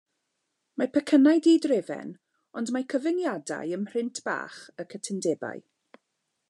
Mae pecynnau diderfyn ond mae cyfyngiadau ym mhrint bach y cytundebau.